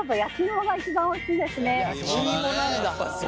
焼き芋なんだ。